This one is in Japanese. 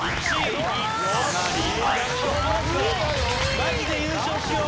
マジで優勝しよう。